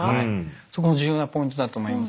そこも重要なポイントだと思います。